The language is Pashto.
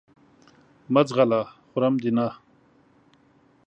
مه ځغله خورم دې نه !